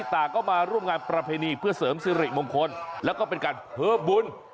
ต่างก็มาร่วมงานประเพณีเพื่อเสริมสิริมงคลแล้วก็เป็นการเพิ่มบุญ